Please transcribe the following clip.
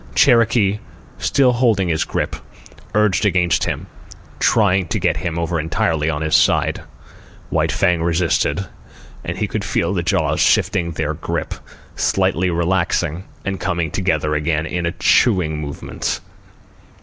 Cherokee still holding his grip, urged against him, trying to get him over entirely on his side. White Fang resisted, and he could feel the jaws shifting their grip, slightly relaxing and coming together again in a chewing movement.